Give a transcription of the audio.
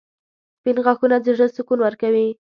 • سپین غاښونه د زړه سکون ورکوي.